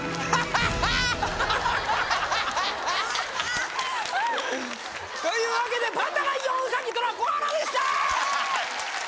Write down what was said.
ハハハハというわけでパンダライオンウサギトラコアラでした！